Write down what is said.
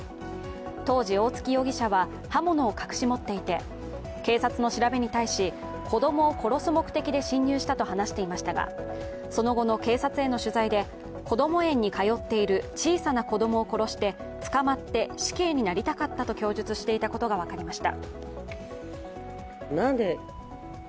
当時、大槻容疑者は刃物を隠し持っていて、警察の調べに対し、子供を殺す目的で侵入したと話していましたがその後の警察への取材で、こども園に通っている小さな子供を殺して捕まって死刑になりたかったと供述していたことが分かりました。